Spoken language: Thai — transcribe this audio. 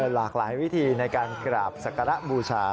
หลากหลายวิธีในการกราบศักระบูชา